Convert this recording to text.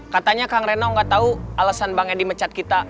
katanya kang reno gak tau alasan bang edy mecat kita